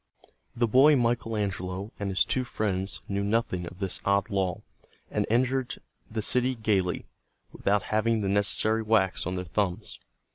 The boy Michael Angelo and his two friends knew nothing of this odd law, and entered the city gaily, without having the necessary wax on their thumbs.